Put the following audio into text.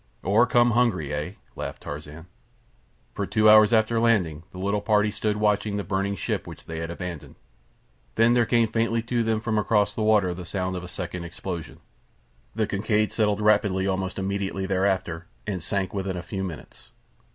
"Or come hungry, eh?" laughed Tarzan. For two hours after landing the little party stood watching the burning ship which they had abandoned. Then there came faintly to them from across the water the sound of a second explosion. The Kincaid settled rapidly almost immediately thereafter, and sank within a few minutes.